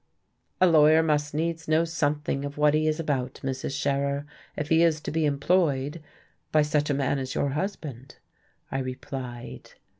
"A lawyer must needs know something of what he is about, Mrs. Scherer, if he is to be employed by such a man as your husband," I replied.